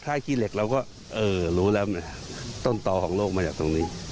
ถ้าขี้เหล็กเราก็เออรู้แล้วนะต้นต่อของโลกมาจากตรงนี้